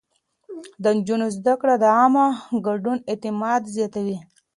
د نجونو زده کړه د عامه ګډون اعتماد زياتوي.